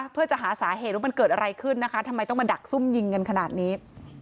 เพื่อจะหาสาเหตุว่ามันเกิดอะไรขึ้นนะคะทำไมต้องมาดักซุ่มยิงกันขนาดนี้